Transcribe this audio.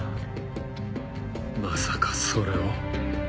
まさかそれを。